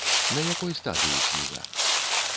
На якой стадыі кніга?